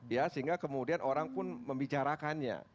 ya sehingga kemudian orang pun membicarakannya